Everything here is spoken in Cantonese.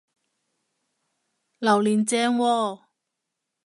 榴槤正喎！